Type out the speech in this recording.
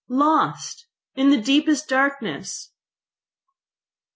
.... "Lost, in the deepest darkness."